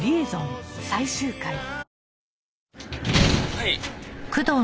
はい。